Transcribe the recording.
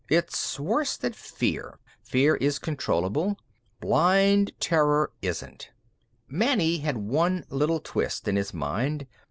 It's worse than fear; fear is controllable. Blind terror isn't. "Manny had one little twist, in his mind.